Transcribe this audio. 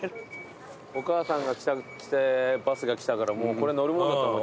お母さんが来てバスが来たからもうこれ乗るもんだと。